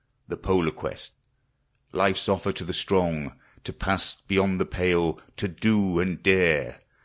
The polar quest! Life's offer to the strong! To pass beyond the pale, to do and dare.